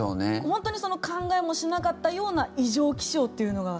本当に考えもしなかったような異常気象というのが。